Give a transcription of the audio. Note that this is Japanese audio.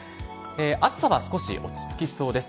暑さは少し落ち着きそうです。